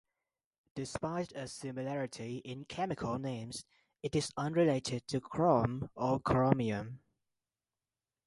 Despite a similarity in chemical names, it is unrelated to chrome or chromium.